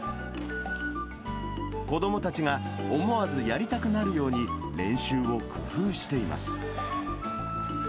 子どもたちが思わずやりたくなるように、練習を工夫しています。